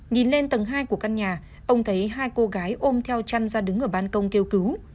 nhìn lên tầng hai của căn nhà ông thấy hai cô gái ôm theo chăn ra đứng ở ban công kêu cứu